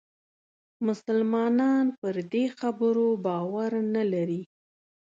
مسلمانان پر دې خبرو باور نه لري.